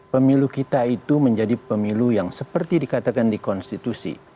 pemilu kita itu menjadi pemilu yang seperti dikatakan di konstitusi